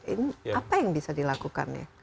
ini apa yang bisa dilakukan ya